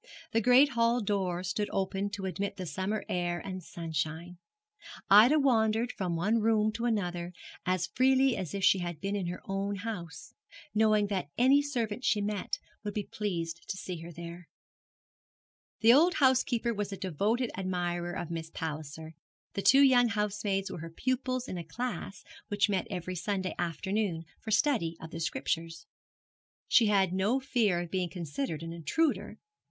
The great hall door stood open to admit the summer air and sunshine. Ida wandered from one room to another as freely as if she had been in her own house, knowing that any servant she met would be pleased to see her there. The old housekeeper was a devoted admirer of Miss Palliser; the two young housemaids were her pupils in a class which met every Sunday afternoon for study of the Scriptures. She had no fear of being considered an intruder.